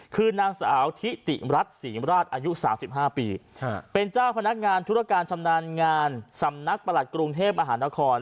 คือนางสาวทิติรัฐศรีมราชอายุ๓๕ปีเป็นเจ้าพนักงานธุรการชำนาญงานสำนักประหลัดกรุงเทพมหานคร